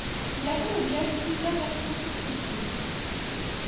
Il a fait l'objet de plusieurs versions successives.